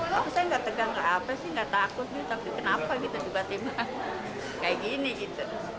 tadi nggak bisa diimersin kenapa gitu